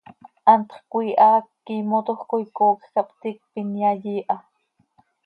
Hantx cömiiha hac quiimotoj coi coocj cah ptiicp inyai iiha.